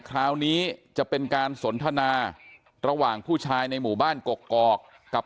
คราวนี้จะเป็นการสนทนาระหว่างผู้ชายในหมู่บ้านกกอกกับ